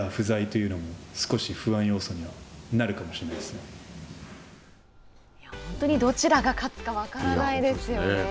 リーダー不在というのも少し不安要素には本当にどちらが勝つか分からないですよね。